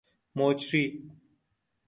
مجری